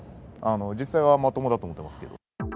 実際はまともだと思ってますけど。